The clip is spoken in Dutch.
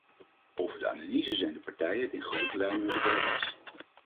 Over de analyse zijn de partijen het in grote lijnen met elkaar eens.